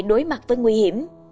đối mặt với nguy hiểm